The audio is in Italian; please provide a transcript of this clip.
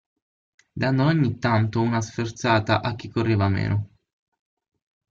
Dando ogni tanto una sferzata a chi correva meno.